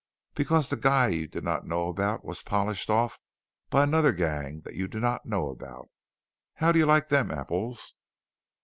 "Because the guy you did not know about was polished off by another gang that you do not know about! How do you like them apples?"